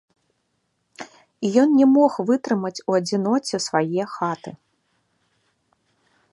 Ён не мог вытрымаць у адзіноце свае хаты.